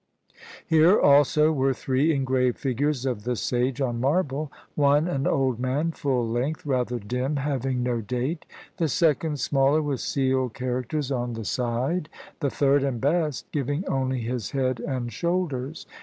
Here also were three engraved figures of the sage on marble; one an old man, full length, rather dim, having no date; the second, smaller, with seal characters on the side; the third, and best, giving only his head and shoulders.